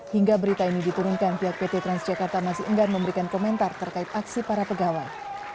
hingga berita ini diturunkan pihak pt transjakarta masih enggan memberikan komentar terkait aksi para pegawai